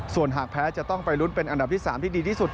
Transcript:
ส่วนหากแพ้จะต้องไปลุ้นเป็นอันดับที่๓ที่ดีที่สุด